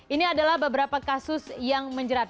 ini adalah beberapa kasus yang menjerat